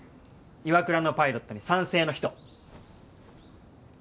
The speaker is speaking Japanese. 岩倉のパイロットに賛成の人。